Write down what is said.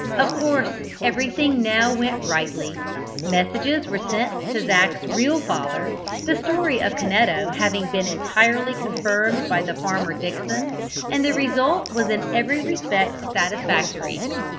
Of course everything now went rightly. Messages were sent to Zac's real father the story of Canetto having been entirely confirmed by Farmer Dickson and the result was in every respect satisfactory.